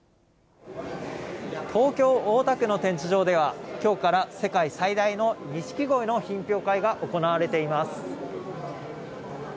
東京・大田区の展示場では、きょうから世界最大のニシキゴイの品評会が行われています。